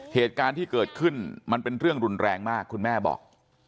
เหตุการณ์ที่เกิดขึ้นมันเป็นเรื่องรุนแรงมากคุณแม่บอก